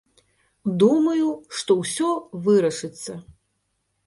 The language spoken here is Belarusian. Думаю, што ўсё вырашыцца.